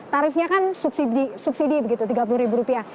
tarifnya kan subsidi begitu tiga puluh ribu rupiah